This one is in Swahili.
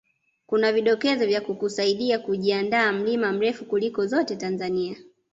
kuna vidokezo vya kukusaidia kujiandaa mlima mrefu kuliko zote Tanzania